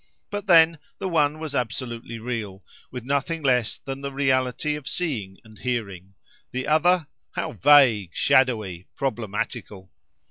But then, the one was absolutely real, with nothing less than the reality of seeing and hearing—the other, how vague, shadowy, problematical!